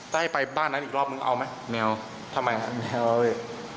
ถ้าให้ไปบ้านนั้นอีกรอบมึงเอาไหมไม่เอาทำไมไม่เอาเลย